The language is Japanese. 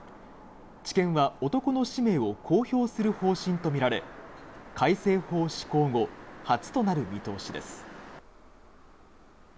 地検は男の氏名を公表する方針とみられ、改正法施行後、初となる見通しです。